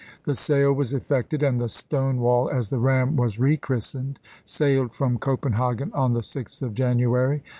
The sale was effected, and the Stone wall, as the ram was rechristened, sailed from Copenhagen on the 6th of January.